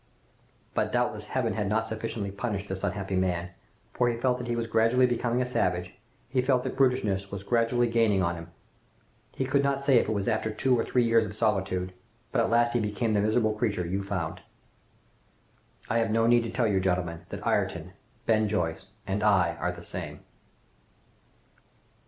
"But doubtless Heaven had not sufficiently punished this unhappy man, for he felt that he was gradually becoming a savage! He felt that brutishness was gradually gaining on him! "He could not say if it was after two or three years of solitude, but at last he became the miserable creature you found! "I have no need to tell you, gentlemen, that Ayrton, Ben Joyce, and I, are the same."